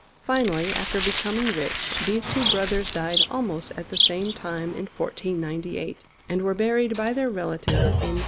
Finally, after becoming rich, these two brothers died almost at the same time in 1498, and were buried by their relatives in S.